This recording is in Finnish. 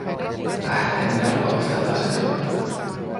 Äh, en minä ole valmis tällaiseen toimintaan.